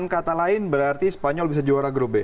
karena lain berarti spanyol bisa juara grup b